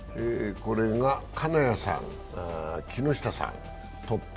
金谷さん、木下さん、トップ。